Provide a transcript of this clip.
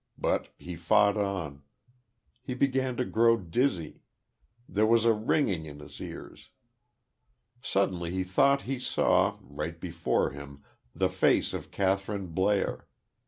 But he fought on.... He began to grow dizzy there was a ringing in his ears.... Suddenly he thought he saw, right before him, the face of Kathryn Blair.